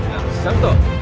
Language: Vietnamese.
làm sáng tỏ